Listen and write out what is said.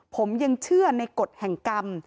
ผมยังเชื่อในกฎแห่งกรรม